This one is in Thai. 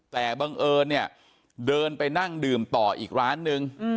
แต่บังเอิญเนี่ยเดินไปนั่งดื่มต่ออีกร้านนึง